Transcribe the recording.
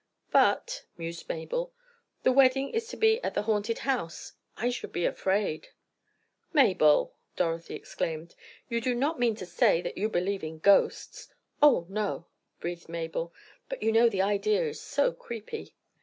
"But," mused Mabel, "the wedding is to be at the haunted house! I should be afraid——" "Mabel!" Dorothy exclaimed, "you do not mean to say that you believe in ghosts!" "Oh—no," breathed Mabel, "but you know the idea is so creepy."